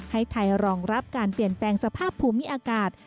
ให้ไทยรองรับการเปลี่ยนแปลงสภาพภูมิอากาศ